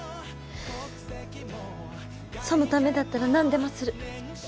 そのためだったら何でもする。